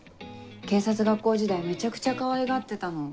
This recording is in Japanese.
警察学校時代めちゃくちゃかわいがってたの。